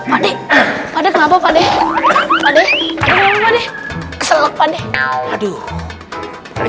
adik adik kenapa pak teh pakte hawai lebih selatan having